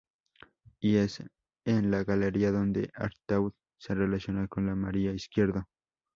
Y es en la Galería donde Artaud se relaciona con María Izquierdo.